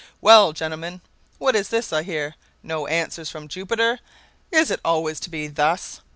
"Well, gentlemen, what is this I hear? No answer from Jupiter? Is it always to be thus?